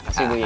makasih bu ya